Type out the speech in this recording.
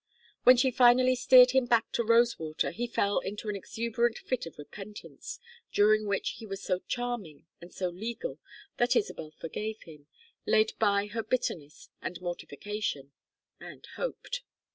When she finally steered him back to Rosewater he fell into an exuberant fit of repentance, during which he was so charming and so legal that Isabel forgave him, laid by her bitterness and mortification, and hoped.